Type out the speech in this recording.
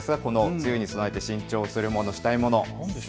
梅雨に備えて新調するもの、したいもの。